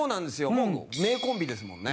もう名コンビですもんね。